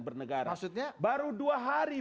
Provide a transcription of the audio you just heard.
bernegara baru dua hari